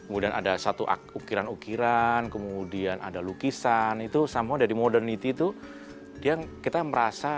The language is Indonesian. mudah ada satu akut ukiran ukiran kemudian ada lukisan itu sama dari modern itu yang kita merasa